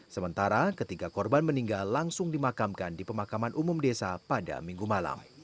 sementara ketiga korban meninggal langsung dimakamkan di pemakaman umum desa pada minggu malam